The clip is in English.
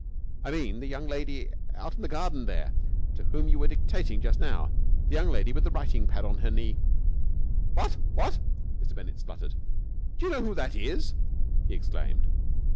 "I mean the young lady out in the garden there, to whom you were dictating just now. The young lady with the writing pad on her knee." "What! What!" Mr. Bennett spluttered. "Do you know who that is?" he exclaimed.